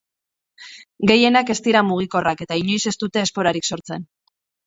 Gehienak ez dira mugikorrak, eta inoiz ez dute esporarik sortzen.